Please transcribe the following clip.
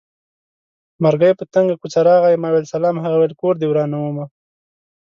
مرګی په تنګه کوڅه راغی ما وېل سلام هغه وېل کور دې ورانومه